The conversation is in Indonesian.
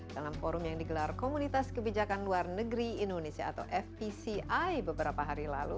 dalam forum yang digelar komunitas kebijakan luar negeri indonesia atau fpci beberapa hari lalu